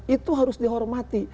itu harus dihormati